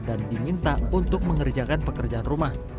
dan diminta untuk mengerjakan pekerjaan rumah